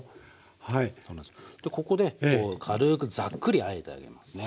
でここで軽くザックリあえてあげますね。